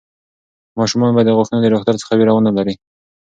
ماشومان باید د غاښونو د ډاکټر څخه وېره ونه لري.